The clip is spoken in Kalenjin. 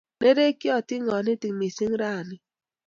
Nerekyotin kanetik missing' rani